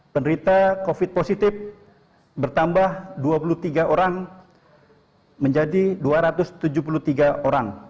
penderita covid positif bertambah dua puluh tiga orang menjadi dua ratus tujuh puluh tiga orang